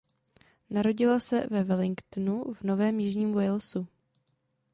Narodila se ve Wellingtonu v Novém Jižní Walesu.